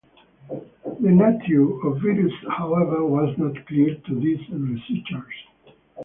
The nature of viruses however was not clear to these researchers.